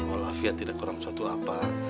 walafiat tidak kurang suatu apa